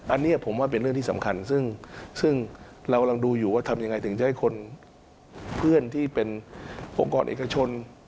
อันนี้ผมว่าเป็นเรื่องที่สำคัญซึ่งเรากำลังดูอยู่ว่าทำยังไงถึงจะให้คนเพื่อนที่เป็นองค์กรเอกชน